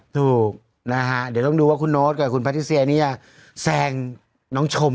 ถูกนะฮะเดี๋ยวต้องดูว่าคุณโน๊ตกับคุณพัทธิเซียนี่จะแซงน้องชม